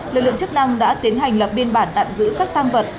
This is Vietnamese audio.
lực lượng chức năng đã tiến hành lập biên bản tạm giữ các tăng vật